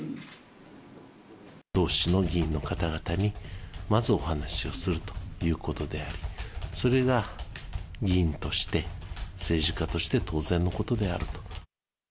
同志の議員の方々にまずお話をするということで、それが議員として政治家として当然のことであると。